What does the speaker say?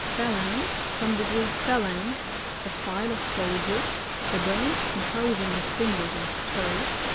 Phalanx. — ^From the Gteek^phalagx, a file of soldiers. The bones com posing the fingers and toes.